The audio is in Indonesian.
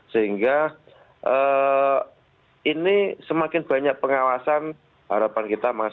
sehingga ini semakin banyak pengawasan harapan kita